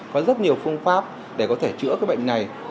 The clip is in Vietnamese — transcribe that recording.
có rất nhiều phương pháp để có thể chữa cái bệnh này